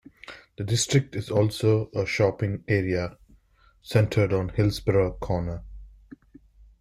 The district is also a shopping area, centred on Hillsborough Corner.